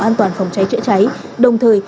an toàn phòng cháy chạy cháy đồng thời